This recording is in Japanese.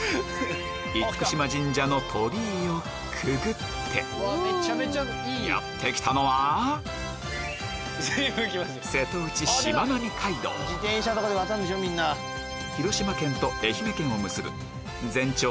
厳島神社の鳥居をくぐってやって来たのは広島県と愛媛県を結ぶ全長